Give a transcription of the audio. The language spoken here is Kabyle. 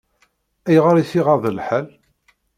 Ayɣer i t-iɣaḍ lḥal?